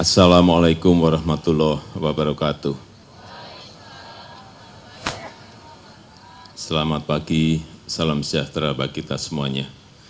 salam sejahtera bagi kita semuanya